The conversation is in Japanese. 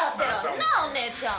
なあお姉ちゃん！